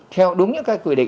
theo đúng những cái quy định